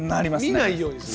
見ないようする。